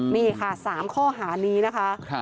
นี่ค่ะ๓ข้อหานี้นะคะ